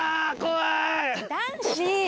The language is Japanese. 男子！